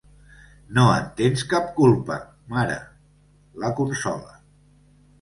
No en tens cap culpa, mare –la consola–.